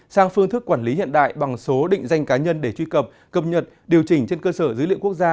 sang phương thức quản lý hiện đại bằng số định danh cá nhân để truy cập cập nhật điều chỉnh trên cơ sở dữ liệu quốc gia